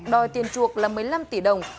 đòi tiền chuộc là một mươi năm tỷ đồng